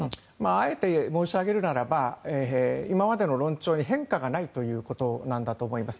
あえて申し上げるならば今までの論調に変化がないということなんだと思います。